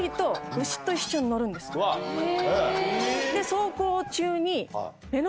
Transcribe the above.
走行中に。